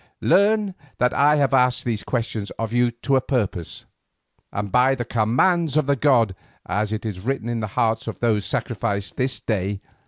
Learn that I have asked these questions of you to a purpose, and by the command of the gods, as it was written on the hearts of those sacrificed this day.